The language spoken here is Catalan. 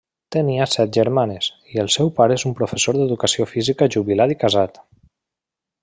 Tenia set germans, i el seu pare és un professor d'educació física jubilat i casat.